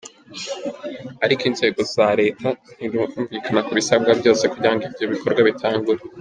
Ariko inzego za leta ntirumvikana ku biusabwa vyose kiugira ivyo bikorwa bitangure.